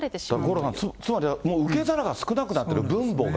五郎さん、つまり受け皿が少なくなっている、分母が。